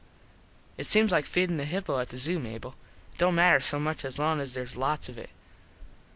It seems like feedin the hippo at the zoo, Mable. It dont matter so much as long as theres lots of it.